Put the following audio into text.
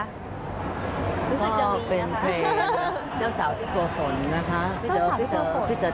รู้สึกจะมีนะคะ